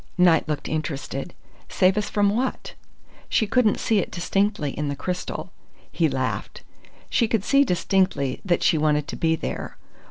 Knight looked interested. "Save us from what?" "She couldn't see it distinctly in the crystal." He laughed. "She could see distinctly that she wanted to be there.